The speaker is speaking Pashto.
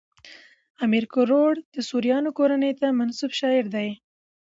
امیر کروړ د سوریانو کورنۍ ته منسوب شاعر دﺉ.